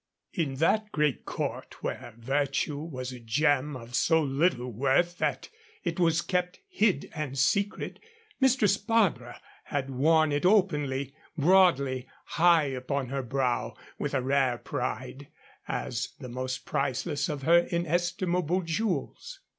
In that great court where virtue was a gem of so little worth that it was kept hid and secret, Mistress Barbara had worn it openly, broadly, high upon her brow, with a rare pride, as the most priceless of her inestimable jewels.